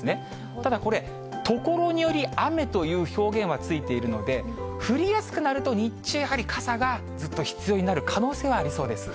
ただこれ、所により雨という表現はついているので、降りやすくなると、日中、やはり傘がずっと必要になる可能性はありそうです。